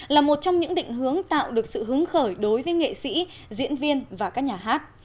là một trong những định hướng tạo được sự hứng khởi đối với nghệ sĩ diễn viên và các nhà hát